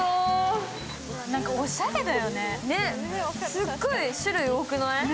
すっごく種類多くない？